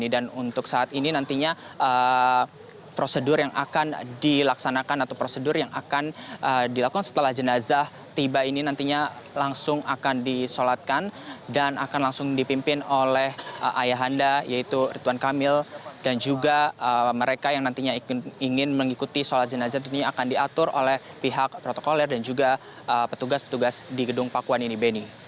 dan untuk saat ini nantinya prosedur yang akan dilaksanakan atau prosedur yang akan dilakukan setelah jenazah tiba ini nantinya langsung akan disolatkan dan akan langsung dipimpin oleh ayahanda yaitu rituan kamil dan juga mereka yang nantinya ingin mengikuti sholat jenazah ini akan diatur oleh pihak protokoler dan juga petugas petugas di gedung pakuan ini